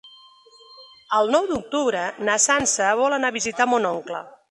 El nou d'octubre na Sança vol anar a visitar mon oncle.